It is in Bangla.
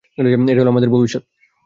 এটা হলো আমাদের ভবিষ্যৎ।